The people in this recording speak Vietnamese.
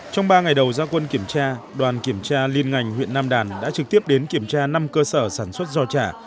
trong ba ngày đầu gia quân kiểm tra đoàn kiểm tra liên ngành huyện nam đàn đã trực tiếp đến kiểm tra năm cơ sở sản xuất giò chả